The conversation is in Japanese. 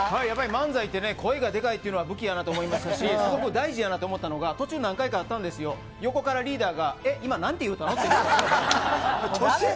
漫才は声がでかいのが武器だと思いましたし大事だと思ったのが途中、何度かあったんですけど横からリーダーが今、何て言ったのって。